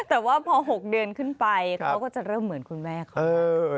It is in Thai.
แต่ว่าพอ๖เดือนขึ้นไปเขาก็จะเริ่มเหมือนคุณแม่เขา